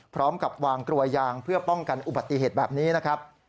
พร้อมกับวางกลวยยางเพื่อป้องกันอุบัติเหตุแบบนี้นะครับ